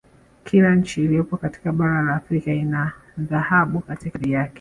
Kila nchi ilyopo katika bara la Afrika ina dhahabu katika ardhi yake